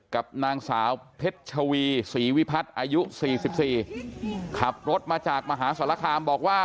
กับนางสาวเพชรชวีสีวิพัฒน์อายุสี่สิบสี่ขับรถมาจากมหาสละคามบอกว่า